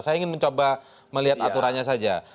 saya ingin mencoba melihat aturannya saja